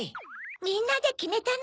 みんなできめたの。